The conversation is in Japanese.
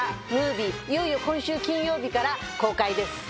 いよいよ今週金曜日から公開です